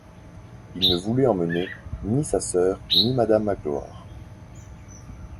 Il ne voulut emmener ni sa soeur ni madame Magloire.